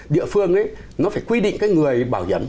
địa phương ấy nó phải quy định cái người bảo hiểm